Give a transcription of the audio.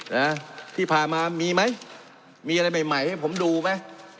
นะที่ผ่านมามีไหมมีอะไรใหม่ใหม่ให้ผมดูไหม